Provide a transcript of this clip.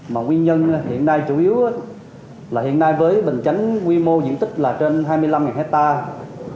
mà nguyên nhân hiện nay chủ yếu là hiện nay với bình chánh quy mô diện tích là trên hai mươi năm hectare